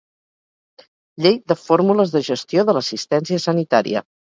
Llei de fórmules de gestió de l'assistència sanitària.